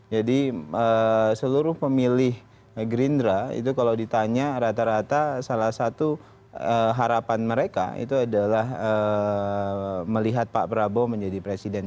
jadi seluruh pemilih gerindra itu kalau ditanya rata rata salah satu harapan mereka itu adalah melihat pak prabowo menjadi presiden